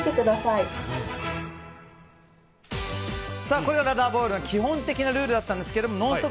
これがラダーボールの基本的なルールでしたが「ノンストップ！」